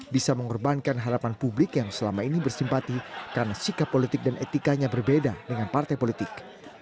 bisa mengorbankan harapan publik yang selama ini bersimpati karena sikap politik dan etikanya berbeda dengan partai politik